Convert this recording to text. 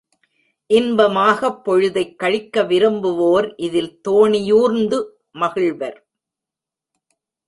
இன்பமாகப் பொழுதைக் கழிக்க விரும்புவோர் இதில் தோணியூர்ந்து மகிழ்வார்.